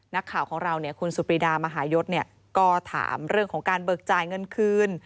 นักข่าวของเราคุณสุปรีดามหายศก็ถามเรื่องของการเบิกจ่ายเงินคืน